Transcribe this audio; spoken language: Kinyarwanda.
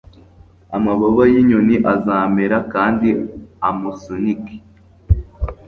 Amababa y'inyoni azamera kandi amusunike,